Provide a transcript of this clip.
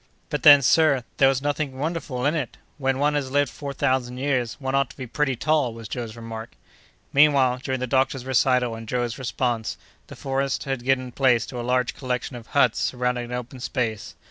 "But then, sir, there was nothing wonderful in it! When one has lived four thousand years, one ought to be pretty tall!" was Joe's remark. Meanwhile, during the doctor's recital and Joe's response, the forest had given place to a large collection of huts surrounding an open space.